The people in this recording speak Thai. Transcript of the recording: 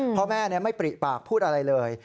พ่อแม่ไม่ปริปากพูดอะไรเลย